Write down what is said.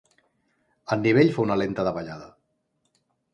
El nivell fa una lenta davallada.